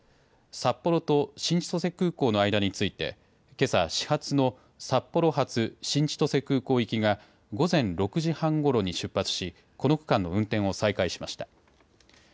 札幌と新千歳空港の間についてけさ始発の札幌発新千歳空港行きが午前６時半ごろに出発しこの区間の運転を再開しました。